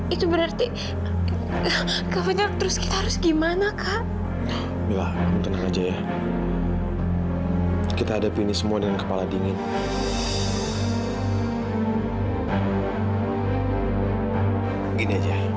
itu berarti terus kita harus gimana kak ya kita hadapi ini semua dengan kepala dingin aja